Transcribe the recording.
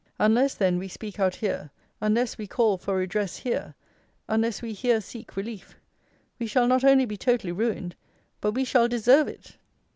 Unless, then, we speak out here; unless we call for redress here; unless we here seek relief, we shall not only be totally ruined, but we shall deserve it.